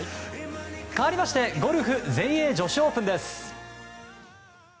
かわりまして、ゴルフ全英女子オープンです。